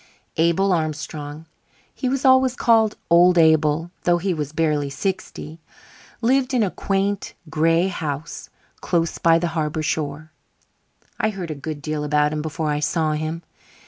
Abel Armstrong (he was always called "Old Abel", though he was barely sixty) lived in a quaint, gray house close by the harbour shore. I heard a good deal about him before I saw him.